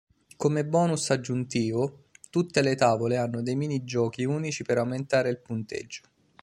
Come bonus aggiuntivo, tutte le tavole hanno dei mini-giochi unici per aumentare il punteggio.